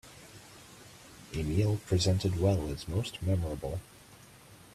A meal presented well is most memorable.